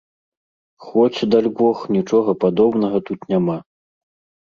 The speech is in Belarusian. Хоць, дальбог, нічога падобнага тут няма.